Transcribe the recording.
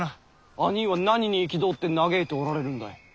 あにぃは何に憤って嘆いておられるんだい？